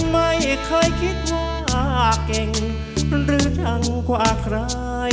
ไม่เคยคิดว่าเก่งหรือชังกว่าใคร